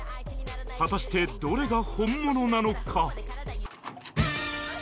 果たしてどれが本物なのか？